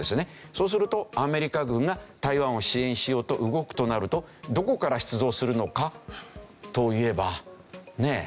そうするとアメリカ軍が台湾を支援しようと動くとなるとどこから出動するのかといえばねえ。